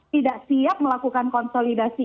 tidak siap melakukan konsolidasi